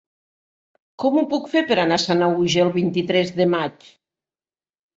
Com ho puc fer per anar a Sanaüja el vint-i-tres de maig?